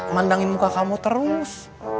mandangin muka kamu terus